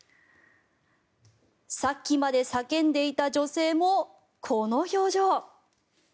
さっきまで叫んでいた女性もこの表情。